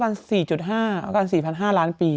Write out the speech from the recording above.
แล้วก็๔๕ล้านปี